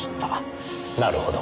なるほど。